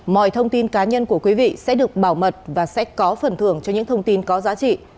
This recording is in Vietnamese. mọi thông tin cá nhân của quý vị sẽ được bảo mật và sẽ có phần thưởng cho những thông tin có giá trị